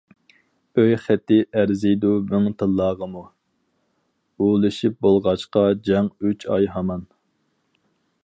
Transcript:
ئۆي خېتى ئەرزىيدۇ مىڭ تىللاغىمۇ، ئۇلىشىپ بولغاچقا جەڭ ئۈچ ئاي ھامان.